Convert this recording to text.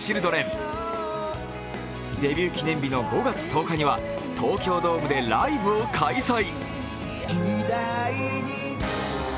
記念日の５月１０日には東京ドームでライブを開催。